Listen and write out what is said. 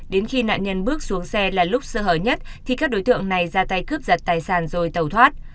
đến khi nạn nhân bước xuống xe là lúc sơ hở nhất thì các đối tượng này ra tay cướp giật tài sản rồi tàu thoát